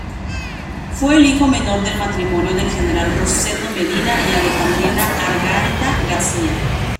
Fue el hijo menor del matrimonio del General Rosendo Medina y Alejandrina Angarita García.